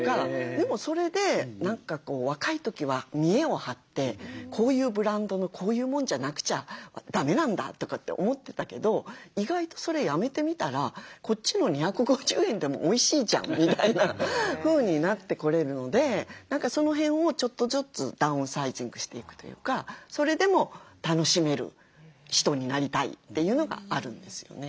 でもそれで若い時は見えを張ってこういうブランドのこういうもんじゃなくちゃだめなんだとかって思ってたけど意外とそれやめてみたらこっちの２５０円でもおいしいじゃんみたいなふうになってこれるのでその辺をちょっとずつダウンサイジングしていくというかそれでも楽しめる人になりたいというのがあるんですよね。